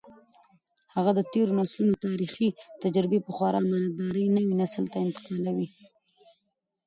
هغه د تېرو نسلونو تاریخي تجربې په خورا امانتدارۍ نوي نسل ته انتقالوي.